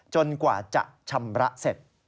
กว่าจะชำระเสร็จ